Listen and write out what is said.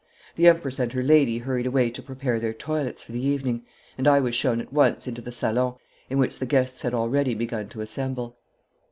The Empress and her lady hurried away to prepare their toilets for the evening, and I was shown at once into the salon, in which the guests had already begun to assemble.